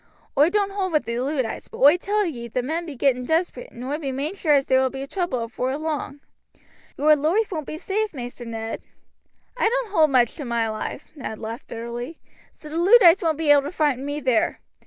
Oi don't hold with the Luddites, but oi tell ye the men be getting desperate, and oi be main sure as there will be trouble afore long. Your loife won't be safe, Maister Ned." "I don't hold much to my life," Ned laughed bitterly, "so the Luddites won't be able to frighten me there."